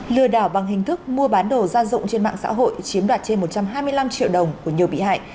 lừa đảo bằng hình thức mua bán đồ gia dụng trên mạng xã hội chiếm đoạt trên một trăm hai mươi năm triệu đồng của nhiều bị hại